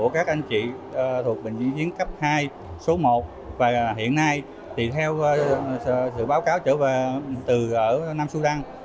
các anh chị thuộc bệnh viện giã chiến cấp hai số một và hiện nay theo sự báo cáo trở về từ nam sudan